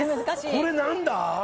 これ何だ？